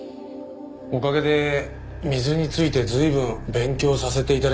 おかげで水について随分勉強させて頂きましたよ。